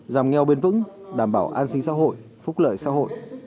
giảm nghèo bền vững đảm bảo an sinh xã hội phúc lợi xã hội